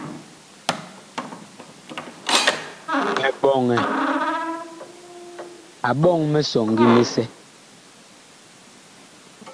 Eɓɔŋɛ a ɓɔŋ misɔŋgi misɛ.